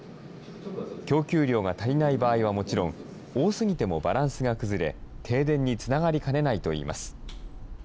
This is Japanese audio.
供給量が足りない場合はもちろん、多すぎてもバランスが崩れ、停電につながりかねないといいます。